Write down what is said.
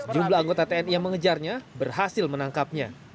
jumlah anggota tni yang mengejarnya berhasil menangkapnya